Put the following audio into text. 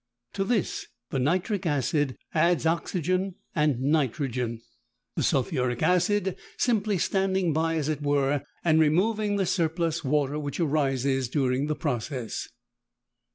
To this the nitric acid adds oxygen and nitrogen, the sulphuric acid simply standing by, as it were, and removing the surplus water which arises during the process.